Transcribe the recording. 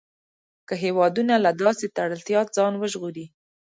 که هېوادونه له داسې تړلتیا ځان وژغوري.